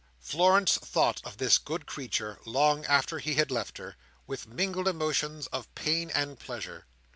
Florence thought of this good creature, long after he had left her, with mingled emotions of pain and pleasure.